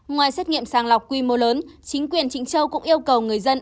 ngoài xét nghiệm sàng lọc quy mô lớn chính quyền trịnh châu cũng yêu cầu người dân